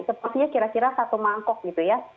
sepertinya kira kira satu mangkok gitu ya